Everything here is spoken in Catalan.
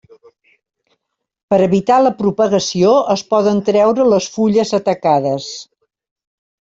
Per evitar la propagació es poden treure les fulles atacades.